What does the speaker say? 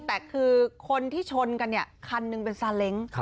แต่คือคนที่ชนกันเนี่ยคันหนึ่งเป็นซาเล้ง